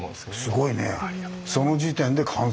すごいね。